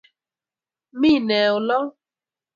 Mi ne olo